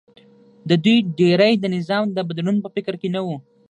د دوی ډېری د نظام د بدلون په فکر کې نه و